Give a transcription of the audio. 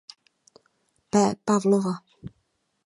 P. Pavlova.